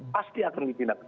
pasti akan dipindahkan